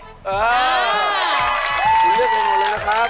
ถือเลือกอันไหนเลยนะครับ